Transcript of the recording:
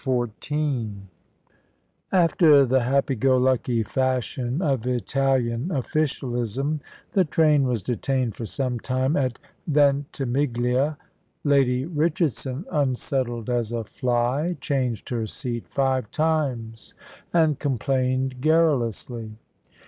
CHAPTER XIV After the happy go lucky fashion of Italian officialism, the train was detained for some time at Ventimiglia. Lady Richardson, unsettled as a fly, changed her seat five times, and complained garrulously.